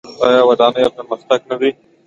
آیا او د نویو پرمختګونو سره نه دی؟